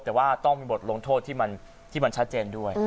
แต่ว่าต้องมีบทลงโทษที่มันชัดเจนด้วย